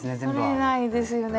取れないですよね